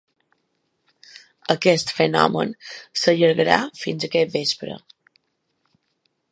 Aquest fenomen s’allargarà fins aquest vespre.